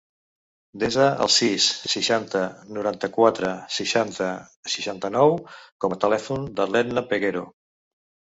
Desa el sis, seixanta, noranta-quatre, seixanta, setanta-nou com a telèfon de l'Edna Peguero.